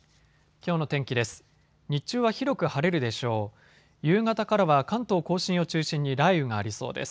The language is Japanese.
きょうの天気です。